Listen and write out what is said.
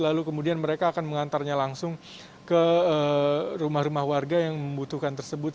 lalu kemudian mereka akan mengantarnya langsung ke rumah rumah warga yang membutuhkan tersebut